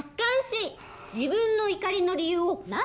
自分の怒りの理由を「なぜ？」